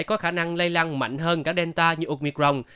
có khả năng lây lăng mạnh hơn cả delta như omicron